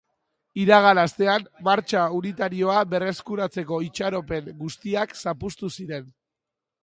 Iragan astean martxa unitarioa berreskuratzeko itxaropen guztiak zapuztu ziren.